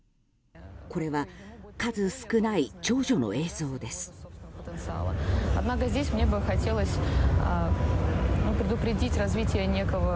これは数少ない長女の映像です。